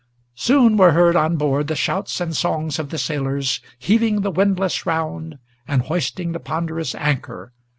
Soon were heard on board the shouts and songs of the sailors Heaving the windlass round, and hoisting the ponderous anchor.